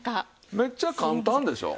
めっちゃ簡単でしょう。